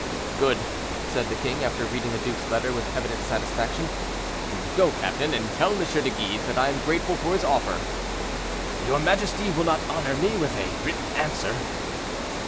"Good," said the king, after reading the duke's letter with evident satisfaction. "Go, captain, and tell M. de Guise that I am grateful for his offer." "Your majesty will not honor me with a written answer?"